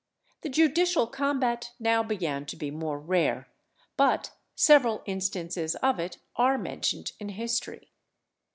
The judicial combat now began to be more rare, but several instances of it are mentioned in history.